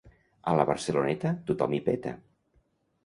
A la Barceloneta, tothom hi peta.